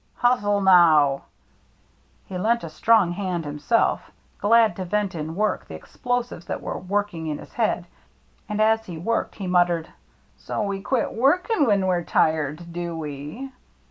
Hustle, now !" He lent a strong hand himself, glad to vent in work the explosives that were working in his head ; and as he worked he muttered, "So we quit workin' when we're tired, do we